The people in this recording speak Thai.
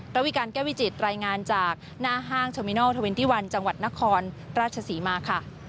ประวิการณ์แก้วิจิตรายงานจากหน้าห้างเทอร์มินัล๒๑จังหวัดนครราชสีมาค่ะ